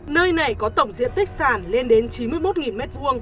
nơi này có tổng diện tích sàn lên đến chín mươi một m hai